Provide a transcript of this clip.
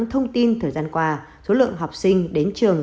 thông tin thời gian qua số lượng học sinh đến trường